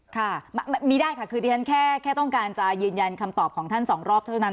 ค่ะมีได้ค่ะคือที่ฉันแค่ต้องการจะยืนยันคำตอบของท่านสองรอบเท่านั้น